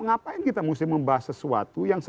ngapain kita mesti membahas sesuatu yang